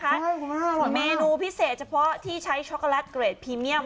ใช่ค่ะเมนูพิเศษเฉพาะที่ใช้ช็อกโกแลตเกรดพรีเมียม